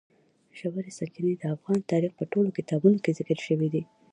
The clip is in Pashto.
ژورې سرچینې د افغان تاریخ په ټولو کتابونو کې ذکر شوي دي.